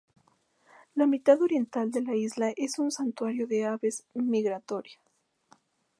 La mitad oriental de la isla es un santuario de aves migratorias.